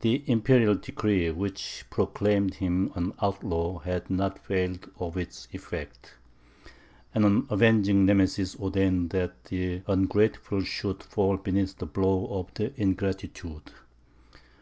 The imperial decree which proclaimed him an outlaw, had not failed of its effect; and an avenging Nemesis ordained that the ungrateful should fall beneath the blow of ingratitude.